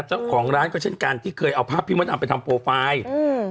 เจ้าของร้านก็เช่นกันที่เคยเอาภาพพี่มดดำไปทำโปรไฟล์อืม